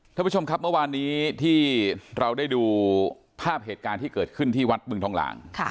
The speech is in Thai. ท่านผู้ชมครับเมื่อวานนี้ที่เราได้ดูภาพเหตุการณ์ที่เกิดขึ้นที่วัดบึงทองหลาง